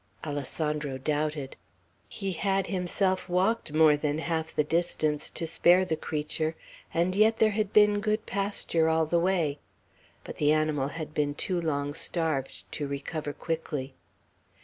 Alessandro doubted. He had himself walked more than half the distance, to spare the creature, and yet there had been good pasture all the way; but the animal had been too long starved to recover quickly.